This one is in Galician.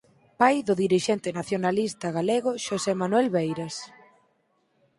Pai do dirixente nacionalista galego Xosé Manuel Beiras.